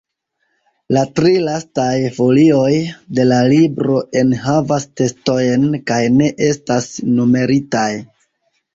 La tri lastaj folioj de la libro enhavas tekstojn kaj ne estas numeritaj.